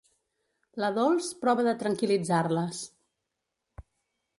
La Dols prova de tranquil·litzar-les.